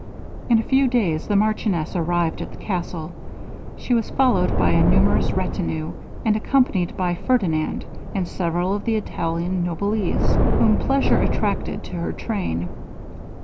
In a few days the marchioness arrived at the castle. She was followed by a numerous retinue, and accompanied by Ferdinand, and several of the Italian noblesse, whom pleasure attracted to her train.